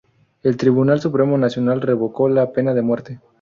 El tribunal supremo nacional revocó la pena de muerte.